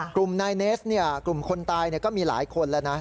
กลุ่มนายเนสกลุ่มคนตายก็มีหลายคนแล้วนะ